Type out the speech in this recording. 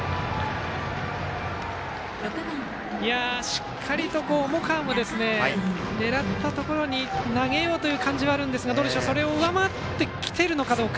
しっかりと重川も狙ったところに投げようという感じはあるんですがそれを上回ってきてるのかどうか。